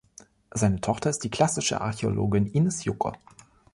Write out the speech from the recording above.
Seine Tochter ist die Klassische Archäologin Ines Jucker.